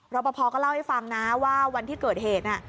รอปภก็เล่าให้ฟังนะว่าวันที่เกิดเหตุ